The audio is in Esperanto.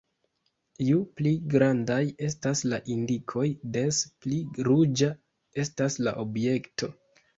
Ju pli grandaj estas la indikoj des pli ruĝa estas la objekto.